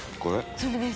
それです。